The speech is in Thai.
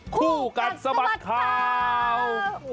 คู่กันสมัสข่าว